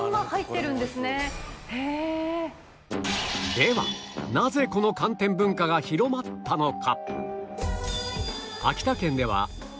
ではなぜこの寒天文化が広まったのか？